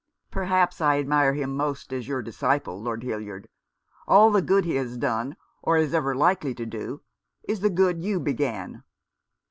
"Perhaps I admire him most as your disciple, Lord Hildyard. All the good he has done — or is ever likely to do — is the good you began."